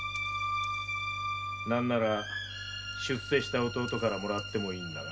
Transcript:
何なら出世した弟から貰ってもいいんだ。